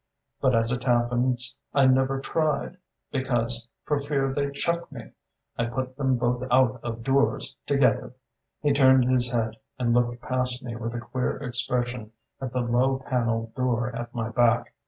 But as it happens I never tried because, for fear they'd chuck me, I put them both out of doors together." He turned his head and looked past me with a queer expression at the low panelled door at my back.